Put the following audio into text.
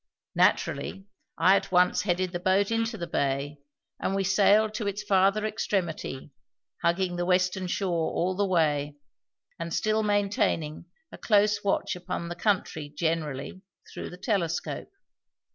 Naturally, I at once headed the boat into the bay, and we sailed to its farther extremity, hugging the western shore all the way, and still maintaining a close watch upon the country generally through the telescope.